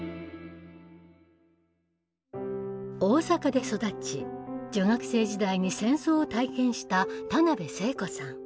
大阪で育ち女学生時代に戦争を体験した田辺聖子さん。